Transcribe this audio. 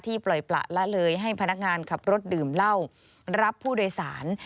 ปล่อยประละเลยให้พนักงานขับรถดื่มเหล้ารับผู้โดยสาร